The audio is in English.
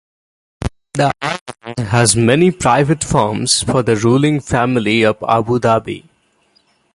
The island has many private farms for the ruling family of Abu Dhabi.